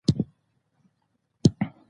کندز سیند د افغانستان د جغرافیوي تنوع مثال دی.